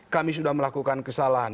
kami sudah melakukan kesalahan